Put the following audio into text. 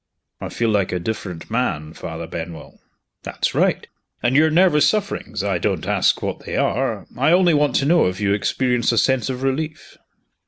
"I feel like a different man, Father Benwell." "That's right! And your nervous sufferings I don't ask what they are; I only want to know if you experience a sense of relief?"